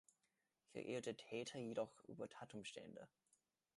Hier irrt der Täter jedoch über Tatumstände.